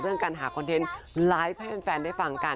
การหาคอนเทนต์ไลฟ์ให้แฟนได้ฟังกัน